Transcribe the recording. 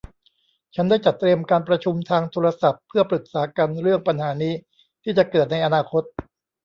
ฉันได้จัดเตรียมการประชุมทางโทรศัพท์เพื่อปรึกษากันเรื่องปัญหานี้ที่จะเกิดในอนาคต